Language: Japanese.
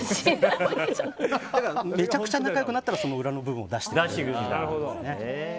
めちゃくちゃ仲良くなったらその裏の部分を出してくれると。